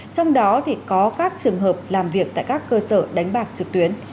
trong đó có các trường hợp làm việc tại các cơ sở đánh bạc trực tuyến